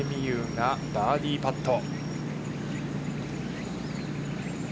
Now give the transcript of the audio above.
バーディーパット。